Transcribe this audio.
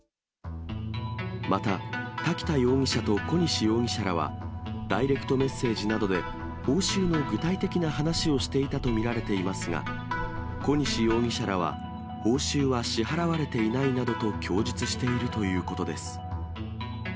また滝田容疑者と小西容疑者らは、ダイレクトメッセージなどで報酬の具体的な話をしていたと見られていますが、小西容疑者らは、報酬は支払われていないなどと供述しているということです。